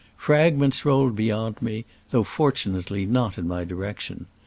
Fragments rolled beyond me, although, fortunately, not in my direction.